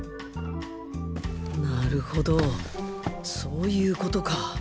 なるほどそういうことか。